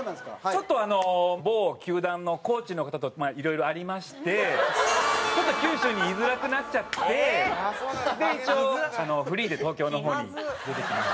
ちょっとあの某球団のコーチの方とまあいろいろありましてちょっと九州にいづらくなっちゃってで一応フリーで東京の方に出てきました。